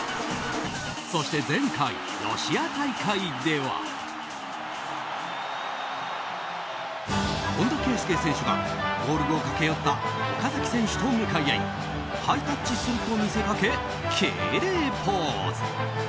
そして、前回ロシア大会では本田圭佑選手がゴール後、駆け寄った岡崎選手と向かい合いハイタッチすると見せかけ敬礼ポーズ。